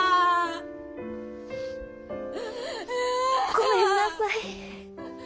ごめんなさい。